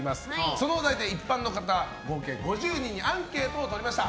そのお題で一般の方合計５０人にアンケートを取りました。